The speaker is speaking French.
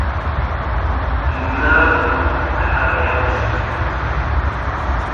Mon âme à travers mon silence.